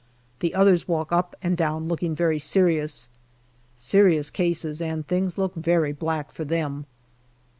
The others walk up and down looking very serious. Serious cases, and things look very black for them.